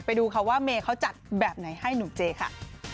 ไปดูค่ะว่าเมย์เขาจัดแบบไหนให้หนุ่มเจค่ะ